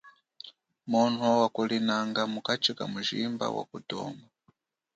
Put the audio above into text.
Mwono wakulinanga mukachi kamujimba wa kutoma.